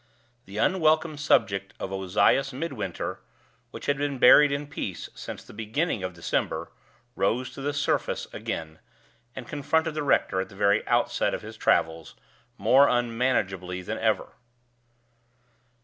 The unwelcome subject of Ozias Midwinter, which had been buried in peace since the beginning of December, rose to the surface again, and confronted the rector at the very outset of his travels, more unmanageably than ever.